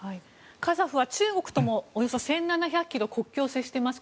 カザフは中国ともおよそ１７００ｋｍ国境を接しています。